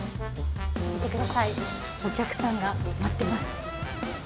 見てください、お客さんが待ってます。